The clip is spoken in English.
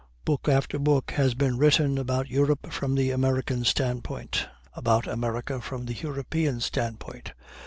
Book after book has been written about Europe from the American standpoint about America from the European standpoint.